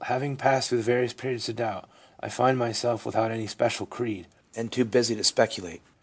Having passed through various periods of doubt, I find myself without any especial creed, and too busy to speculate.